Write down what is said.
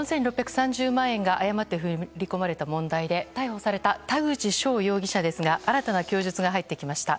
４６３０万円が誤って振り込まれた問題で逮捕された田口翔容疑者ですが新たな供述が入ってきました。